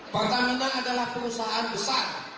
pertamina adalah perusahaan besar